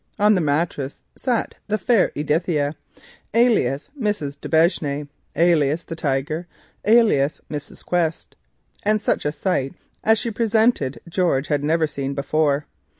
On the mattress sat the fair Edithia, alias Mrs. d'Aubigne, alias the Tiger, alias Mrs. Quest, and such a sight as she presented George had never seen before.